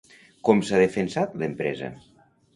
Com s'ha defensat l'empresa?